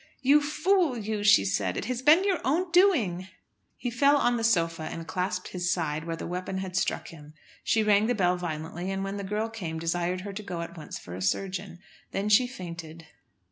"You fool, you," she said; "it has been your own doing." He fell on the sofa, and clasped his side, where the weapon had struck him. She rang the bell violently, and, when the girl came, desired her to go at once for a surgeon. Then she fainted.